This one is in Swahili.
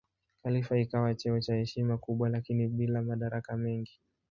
Khalifa ikawa cheo cha heshima kubwa lakini bila madaraka mengi.